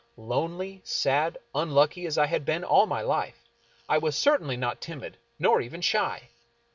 Lonely, sad, unlucky as I had been all my life, I was certainly not timid, nor even shy.